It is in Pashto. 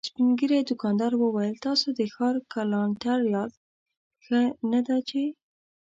سپين ږيری دوکاندار وويل: تاسو د ښار کلانتر ياست، ښه نه ده چې…